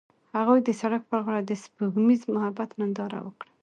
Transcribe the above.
هغوی د سړک پر غاړه د سپوږمیز محبت ننداره وکړه.